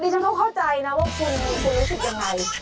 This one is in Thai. เธอดีเธอเข้าใจนะว่าคุณรู้สึกยังไง